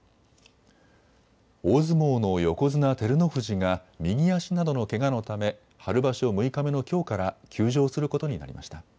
大相撲の横綱・照ノ富士が右足などのけがのため春場所６日目のきょうから休場することになりました。